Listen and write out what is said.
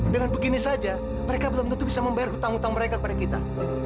dengan begini saja mereka belum tentu bisa membayar hutang hutang mereka kepada kita